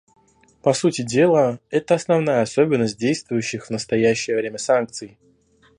По сути дела, это основная особенность действующих в настоящее время санкций.